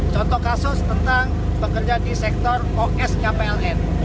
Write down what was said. contoh kasus tentang pekerja di sektor osk pln